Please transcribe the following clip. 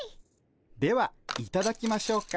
ではいただきましょうか。